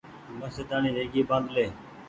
مڇهرداڻي ويگي ٻآڌلي